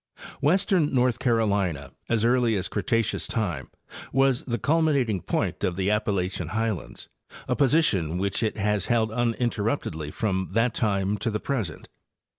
Western North Carolina as early as Cretaceous time was the culminating point of the Appalachian highlands, a position which it has held unterruptedly from that time to the present.